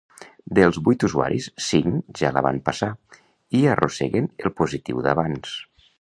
Dels vuit usuaris, cinc ja la van passar i arrosseguen el positiu d’abans.